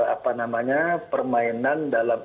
apa namanya permainan dalam